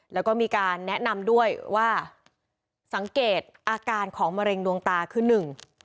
แล้วก็มีการแนะนำด้วยว่าสังเกตอาการของมะเร็งดวงตาคือหนึ่ง